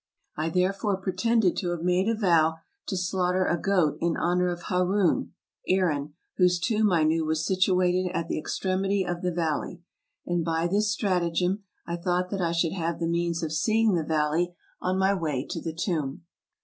I therefore pretended to have made a vow to slaughter a goat in honor of Haroun (Aaron), whose tomb I knew was situated at the extremity of the valley, and by this stratagem I thought that I should have the means of seeing the valley on my way to the tomb.